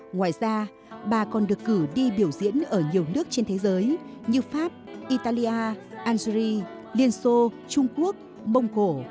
ngoài ra bà còn được cử đi biểu diễn ở nhiều nước trên thế giới như pháp italia algeria liên xô trung quốc mông cổ